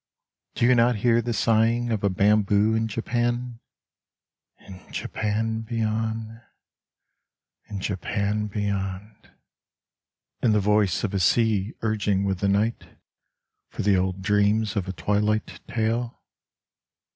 Do you not hear the sighing of a bamboo in Japan, (In Japan beyond, in Japan beyond) In the voice of a sea urging with the night, For the old dreams of a twilight tale